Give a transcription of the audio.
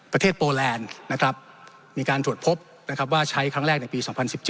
ประเทศโปรแลนด์มีการตรวจพบว่าใช้ครั้งแรกในปี๒๐๑๗